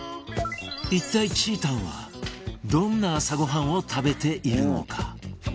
一体ちーたんはどんな朝ごはんを食べているのか。